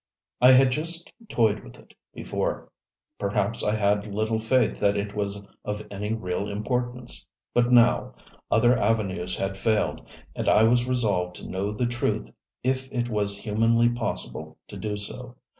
I had just toyed with it before. Perhaps I had had little faith that it was of any real importance. But now, other avenues had failed, and I was resolved to know the truth if it was humanly possible to do so.